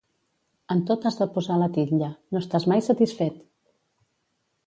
En tot has de posar la titlla: no estàs mai satisfet!